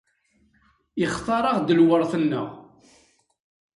Ixtaṛ-aɣ-d lweṛt-nneɣ.